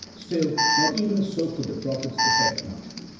Still, not even so could the prophets effect much.